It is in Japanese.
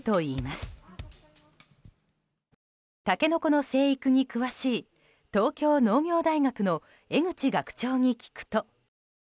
そこでタケノコの生育に詳しい東京農業大学の江口学長に聞くと。